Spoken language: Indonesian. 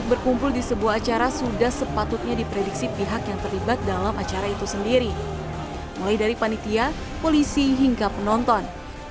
euforia masyarakat untuk berhenti konser